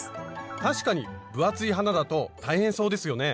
確かに分厚い花だと大変そうですよね。